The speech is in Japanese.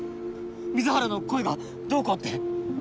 水原の声がどうこうって！